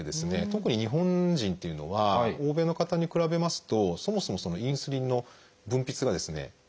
特に日本人っていうのは欧米の方に比べますとそもそもインスリンの分泌がですね弱い。